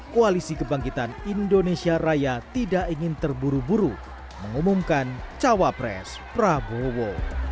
koalisi kebangkitan indonesia raya tidak ingin terburu buru mengumumkan cawapres prabowo